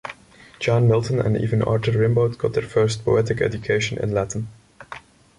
John Milton and even Arthur Rimbaud got their first poetic education in Latin.